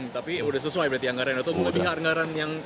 tapi udah sesuai berarti anggaran itu lebih hargaran yang